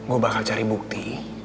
gue bakal cari bukti